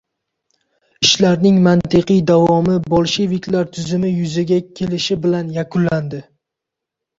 Ishlarning mantiqiy davomi bolsheviklar tuzumi yuzaga kelishi bilan yakunlandi.